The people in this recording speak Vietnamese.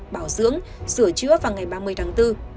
bảo dưỡng sửa chữa vào ngày ba mươi tháng bốn